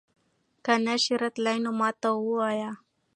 که نه شې راتلی نو ما ته ووايه